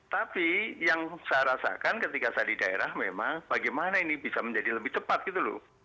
tapi yang saya rasakan ketika saya di daerah memang bagaimana ini bisa menjadi lebih cepat gitu loh